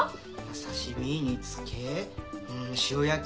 刺身煮つけん塩焼き。